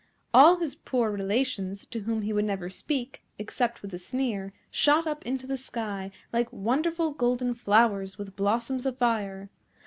All his poor relations, to whom he would never speak, except with a sneer, shot up into the sky like wonderful golden flowers with blossoms of fire.